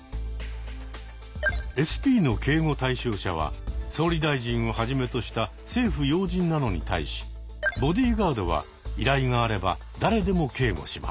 ＳＰの警護対象者は総理大臣をはじめとした政府要人なのに対しボディーガードは依頼があれば誰でも警護します。